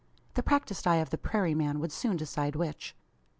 The practised eye of the prairie man would soon decide which.